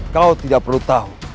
kau tidak perlu tahu